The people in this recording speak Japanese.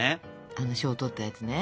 あの賞とったやつね。